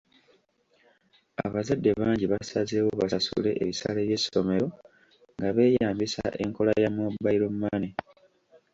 Abazadde bangi basazeewo basasule ebisale by'essomero nga beeyambisa enkola ya mobile money.